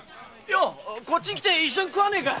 こっちへきて一緒に食わねえか。